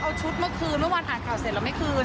เอาชุดมาคืนเมื่อวานผ่านข่าวเสร็จแล้วไม่คืน